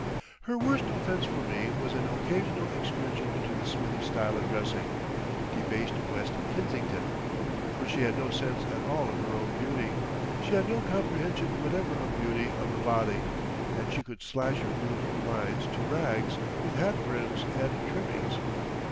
Her worst offence for me was an occasional excursion into the Smithie style of dressing, debased West Kensington. For she had no sense at all of her own beauty. She had no comprehension whatever of beauty of the body, and she could slash her beautiful lines to rags with hat brims and trimmings.